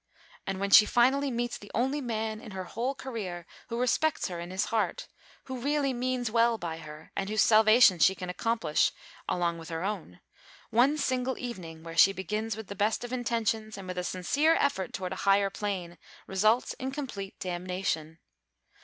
And when she finally meets the only man in her whole career who respects her in his heart, who really means well by her, and whose salvation she can accomplish along with her own, one single evening, where she begins with the best of intentions and with a sincere effort toward a higher plane, results in complete damnation.